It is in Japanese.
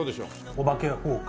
「お化けフォーク」